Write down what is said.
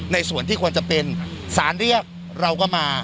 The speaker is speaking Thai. ในส่วนที่ควรจะเป็นสารเรียกเราก็มา